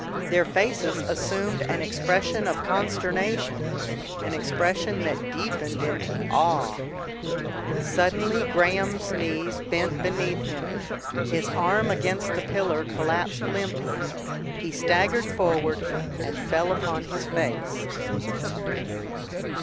Their faces assumed an expression of consternation, an expression that deepened into awe. Suddenly Graham's knees bent beneath him, his arm against the pillar collapsed limply, he staggered forward and fell upon his face.